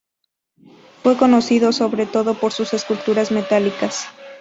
Fue conocido sobre todo por sus esculturas metálicas.